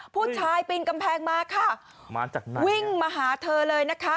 ผู้ชายปรินกำแพงมาค่ะวิ่งมาหาเธอเลยนะคะ